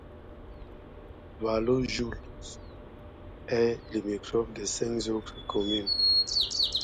Valojoulx est limitrophe de cinq autres communes.